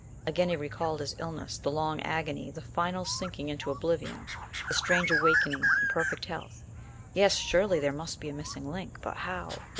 Again he recalled his illness, the long agony, the final sinking into oblivion, the strange awakening in perfect health; yes, surely there must be a missing link; but how?